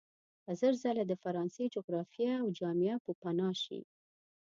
که زر ځله د فرانسې جغرافیه او جامعه پوپناه شي.